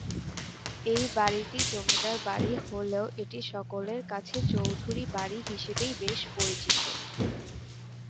এই বাড়িটি জমিদার বাড়ি হলেও এটি সকলের কাছে চৌধুরী বাড়ি হিসেবেই বেশ পরিচিত।